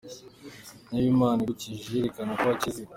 Niba.Imana igukijije yerekana ko wakize.